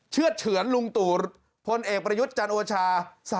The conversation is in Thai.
เชื่อดเฉือนลุงตู่พลเอกประยุทธ์จันโอชา